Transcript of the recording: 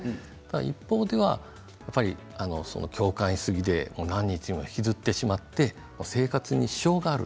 一方では共感しすぎて何日も引きずってしまって生活に支障がある。